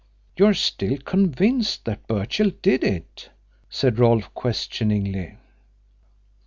"You are still convinced that Birchill did it?" said Rolfe questioningly.